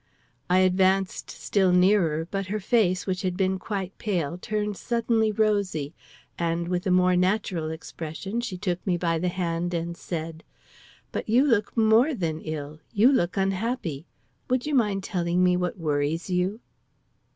I advanced still nearer, but her face, which had been quite pale, turned suddenly rosy; and, with a more natural expression, she took me by the hand, and said: "But you look more than ill, you look unhappy. Would you mind telling me what worries you?"